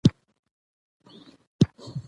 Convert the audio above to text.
ډېره مننه له محترم مدير صيب څخه